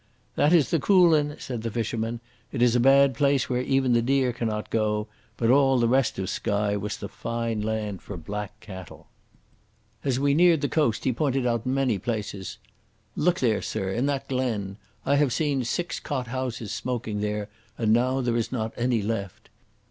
"That is the Coolin," said the fisherman. "It is a bad place where even the deer cannot go. But all the rest of Skye wass the fine land for black cattle." As we neared the coast, he pointed out many places. "Look there, Sir, in that glen. I haf seen six cot houses smoking there, and now there is not any left.